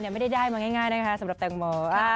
เนี่ย่ไม่ได้แก้ง่ายเนี่ยสำหรับแตงโม